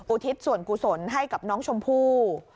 ทิศส่วนกุศลให้กับน้องชมพู่